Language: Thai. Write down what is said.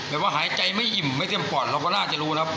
แบบว่าหายใจไม่อิ่มไม่เต็มปอดเราก็น่าจะรู้นะครับ